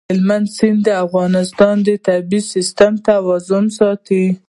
هلمند سیند د افغانستان د طبعي سیسټم توازن ساتي.